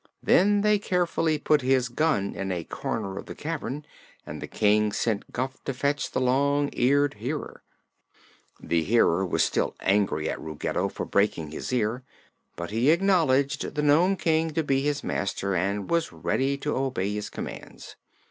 Then they carefully put his gun in a corner of the cavern and the King sent Guph to fetch the Long Eared Hearer. The Hearer was still angry at Ruggedo for breaking his ear, but he acknowledged the Nome King to be his master and was ready to obey his commands.